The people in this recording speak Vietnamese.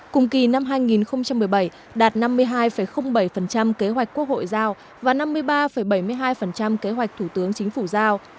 cùng kỳ năm hai nghìn một mươi bảy đạt năm mươi hai bảy kế hoạch quốc hội giao và năm mươi ba bảy mươi hai kế hoạch thủ tướng chính phủ giao